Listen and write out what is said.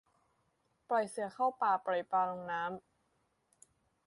ปล่อยเสือเข้าป่า ปล่อยปลาลงน้ำ